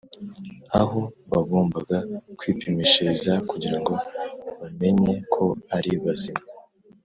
aho bagombaga kwipimishiriza kugirango bamenye ko ari bazima